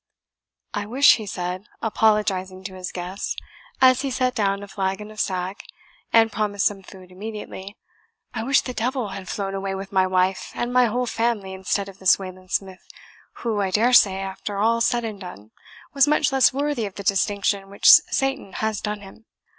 "I wish," he said, apologizing to his guests, as he set down a flagon of sack, and promised some food immediately "I wish the devil had flown away with my wife and my whole family instead of this Wayland Smith, who, I daresay, after all said and done, was much less worthy of the distinction which Satan has done him."